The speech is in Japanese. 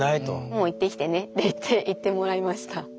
「もう行ってきてね」って言って行ってもらいました。